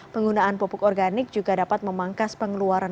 penggunaan pupuk organik juga dapat memangkas pengeluaran